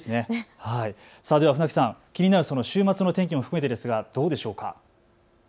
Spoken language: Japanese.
船木さん、気になる週末の天気も含めてどうでしょうか。